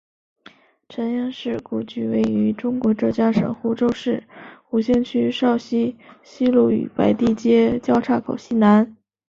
陈英士故居位于中国浙江省湖州市吴兴区苕溪西路与白地街交叉口西南。